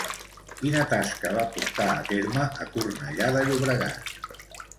Quina tasca va portar a terme a Cornellà de Llobregat?